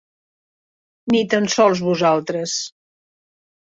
Ni tan sols vosaltres.